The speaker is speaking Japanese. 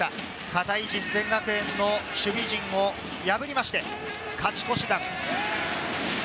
堅い実践学園の守備陣を破りまして、勝ち越し弾。